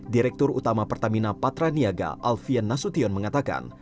direktur utama pertamina patraniaga alfian nasution mengatakan